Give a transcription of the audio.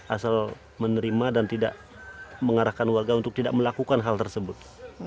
asal menerima dan tidak mengarahkan warga untuk tidak melakukan hal tersebut